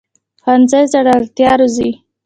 ښوونځی زړورتیا روزي